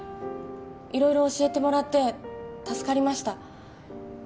色々教えてもらって助かりました